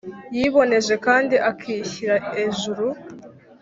yiboneje kandi akishyira ejuru,